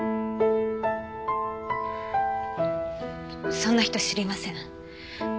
そんな人知りません。